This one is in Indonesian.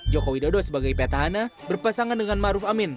joko widodo sebagai petahana berpasangan dengan maruf amin